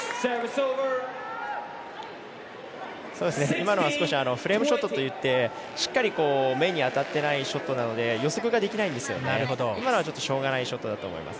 今のはフレームショットといってしっかり面に当たっていないショットなので予測ができないのでしょうがないショットだと思います。